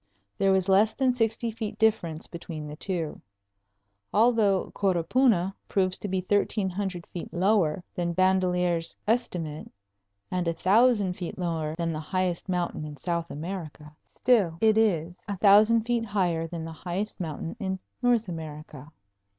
There was less than sixty feet difference between the two. Although Coropuna proves to be thirteen hundred feet lower than Bandelier's estimate, and a thousand feet lower than the highest mountain in South America, still it is a thousand feet higher than the highest mountain in North America.